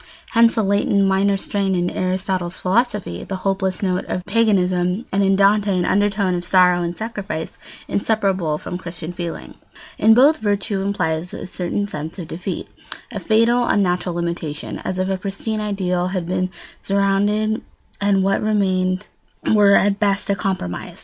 Hence, a latent minor strain in Aristotle's philosophy, the hopeless note of paganism, and in Dante an undertone of sorrow and sacrifice, inseparable from Christian feeling. In both, virtue implies a certain sense of defeat, a fatal unnatural limitation, as if a pristine ideal had been surrendered and what remained were at best a compromise.